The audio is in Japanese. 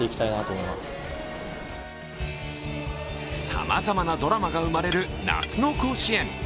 さまざまなドラマが生まれる夏の甲子園。